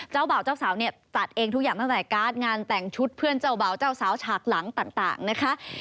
เบาเจ้าสาวเนี่ยจัดเองทุกอย่างตั้งแต่การ์ดงานแต่งชุดเพื่อนเจ้าบ่าวเจ้าสาวฉากหลังต่างนะคะ